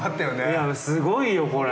いすごいよこれ。